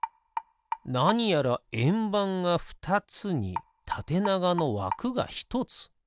なにやらえんばんがふたつにたてながのわくがひとつ。